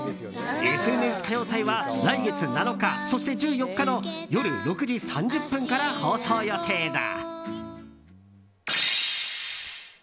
「ＦＮＳ歌謡祭」は来月７日そして１４日の夜６時３０分から放送予定だ。